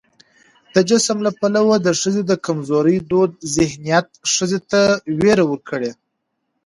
د جسم له پلوه د ښځې د کمزورۍ دود ذهنيت ښځې ته ويره ورکړې